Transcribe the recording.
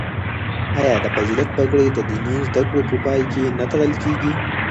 آیا د فضیلت پګړۍ د دیني زده کړو په پای کې نه تړل کیږي؟